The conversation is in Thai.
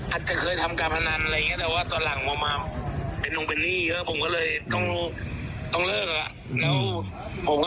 อาจจะเคยทำการพนันอะไรอย่างนี้แต่ว่าตอนหลังมาเป็นนงเป็นหนี้เยอะผมก็เลยต้องเลิกอ่ะ